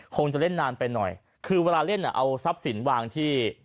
คงจะเล่นนานไปหน่อยคือเวลาเล่นอ่ะเอาทรัพย์สินวางที่